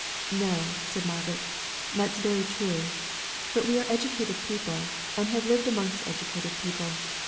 "No," said Margaret, "that's very true. But we are educated people, and have lived amongst educated people.